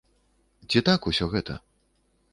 Ці так усё гэта?